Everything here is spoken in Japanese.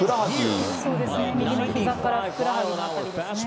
右のひざからふくらはぎの辺りですね。